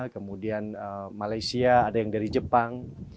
kemudian malaysia ada yang dari jepang